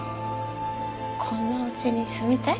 こんなおうちに住みたい？